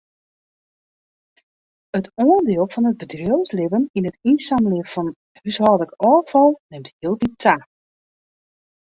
It oandiel fan it bedriuwslibben yn it ynsammeljen fan húshâldlik ôffal nimt hieltyd ta.